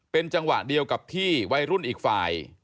เป็นจังหวะเดียวกับที่วัยรุ่นอีกฝ่าย